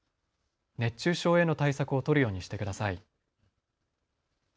熱中症への対策を取るようにしてください。